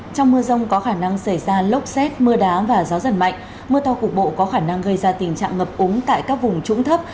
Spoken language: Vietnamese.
trong mưa rông có khả năng xảy ra lốc xét mưa đá và gió giật mạnh mưa to cục bộ có khả năng gây ra tình trạng ngập úng tại các vùng trũng thấp